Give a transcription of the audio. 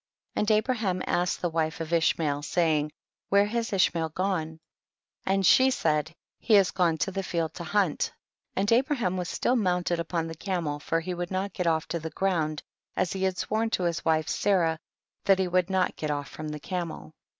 25. And Abraham asked the wife of Ishmael, saying, where has Ish mael gone ? and she said, he has gone to the field to hunt, and Abra ham was still mounted upon the camel, for he would not get off ta the ground as he had sworn to his wife Sarah that he would not get ofT from the camel.